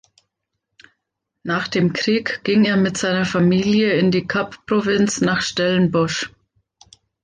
Nach dem Krieg ging er mit seiner Familie in die Kapprovinz nach Stellenbosch.